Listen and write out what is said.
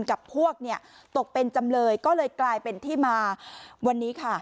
กับพวกเนี่ยตกเป็นจำเลยก็เลยกลายเป็นที่มาวันนี้ค่ะ